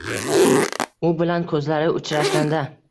U bilan ko‘zlari uchrashganda.